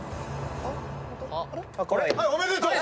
はいおめでとう。